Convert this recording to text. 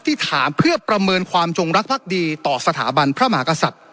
ที่ถามเพื่อประเมินความจงรักภักดีต่อสถาบันพระมหากษัตริย์